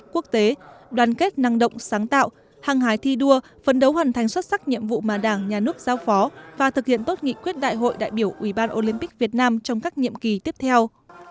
quân đấu hoàn thành xuất sắc nhiệm vụ mà đảng nhà nước giao phó và thực hiện tốt nghị quyết đại hội đại biểu ủy ban olympic việt nam trong các nhiệm kỳ tiếp theo